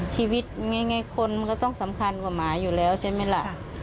ชีวิตง่ายคนมันก็ต้องสำคัญกว่าหมาอยู่แล้วใช่ไหมล่ะ